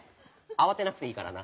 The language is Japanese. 慌てなくていいからな。